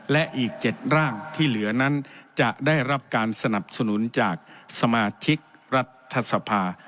และอีก๗ร่างที่เหลือนั้นจะได้รับการสนับสนุนจากสมาชิกรัฐสภา